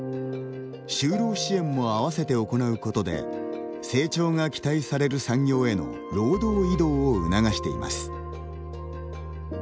就労支援も合わせて行うことで成長が期待される産業への労働移動を促しています。